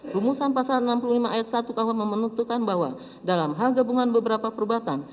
rumusan pasal enam puluh lima ayat satu kuhp menuntukkan bahwa dalam hal gabungan beberapa perbuatan